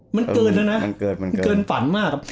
มันเกินแล้วนะเกินฝันมาก